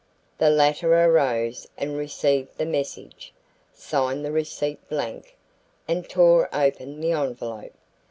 The latter arose and received the message, signed the receipt blank, and tore open the envelope.